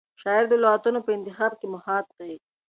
شاعر د لغتونو په انتخاب کې محتاط دی.